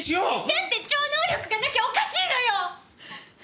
だって超能力がなきゃおかしいのよ！